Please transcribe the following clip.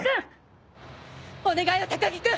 お願いよ高木君！